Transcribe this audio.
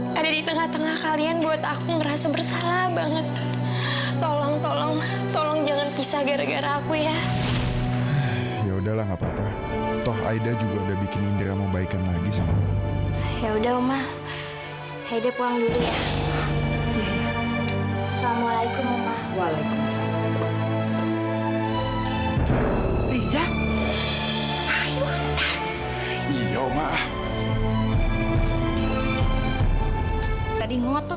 kita kok lewat tangga bukan lewat lift